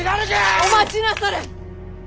お待ちなされ！